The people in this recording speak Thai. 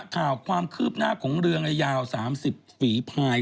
ข่าวความคืบหน้าของเรือระยาว๓๐ฝีภาย